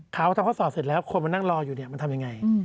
ขาวที่เขาสอบเสร็จแล้วคนมันนั่งรออยู่นี่มันทำอย่างไร